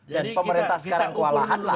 jadi pemerintah sekarang kewalahan lah